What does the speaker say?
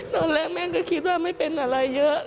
ตอนแรกแม่ก็คิดว่าไม่เป็นอะไรเยอะ